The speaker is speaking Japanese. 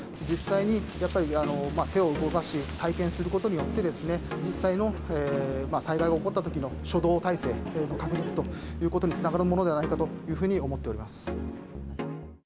実際に、やっぱり手を動かし、体験することによって、実際の災害が起こったときの初動態勢の確立ということにつながるものではないかというふうに思っております。